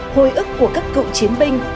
hồi ức của các cựu chiến binh